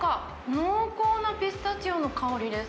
濃厚なピスタチオの香りです。